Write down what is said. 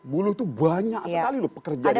buruh itu banyak sekali loh pekerja di indonesia